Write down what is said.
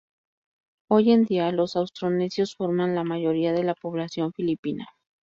Hoy en día los austronesios forman la mayoría de la población filipina.